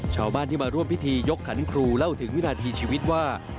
ชาวบ้านที่มาร่วมพิธียกขันครูเล่าถึงวินาทีชีวิตว่า